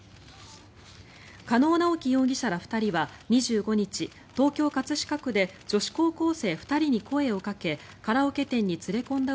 加納直樹容疑者ら２人は２５日東京・葛飾区で女子高校生２人に声をかけカラオケ店に連れ込んだ